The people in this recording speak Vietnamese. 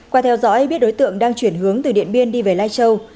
qua theo dõi biết đối tượng đang chuyển hướng từ điện biên đi về lai châu